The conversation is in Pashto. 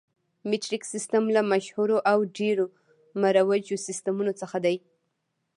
مټریک سیسټم له مشهورو او ډېرو مروجو سیسټمونو څخه دی.